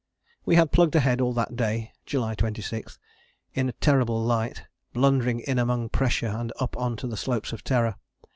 " We had plugged ahead all that day (July 26) in a terrible light, blundering in among pressure and up on to the slopes of Terror.